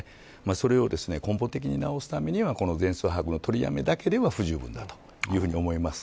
それを根本的に直すためには全数把握の取りやめだけでは不十分だと思います。